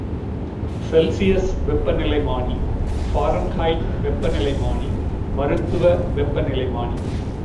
Celsius வெப்பநிலைமானி, Fahrenheit வெப்பநிலைமானி, மருத்துவ வெப்பநிலைமானி.